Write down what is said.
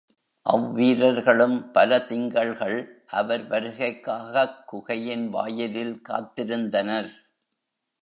அவ் வீரர்களும் பல திங்கள்கள் அவர் வருகைக்காகக் குகையின் வாயிலில் காத்திருந்தனர்.